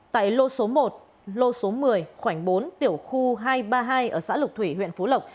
tại lô số một lô số một mươi khoảng bốn tiểu khu hai trăm ba mươi hai ở xã lục thủy huyện phú lộc